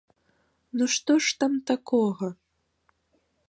Ну што ж там такога?